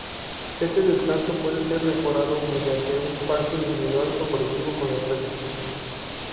Este descanso puede ser mejorado mediante un pacto individual o colectivo con la empresa.